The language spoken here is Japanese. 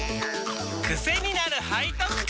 クセになる背徳感！